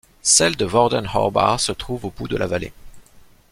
Celle de Vorderhornbach se trouve au bout de la vallée.